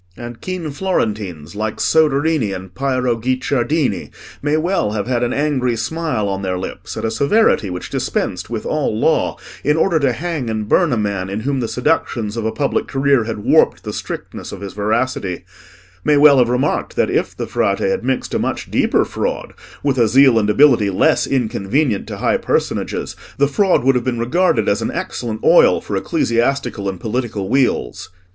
And keen Florentines like Soderini and Piero Guicciardini may well have had an angry smile on their lips at a severity which dispensed with all law in order to hang and burn a man in whom the seductions of a public career had warped the strictness of his veracity; may well have remarked that if the Frate had mixed a much deeper fraud with a zeal and ability less inconvenient to high personages, the fraud would have been regarded as an excellent oil for ecclesiastical and political wheels.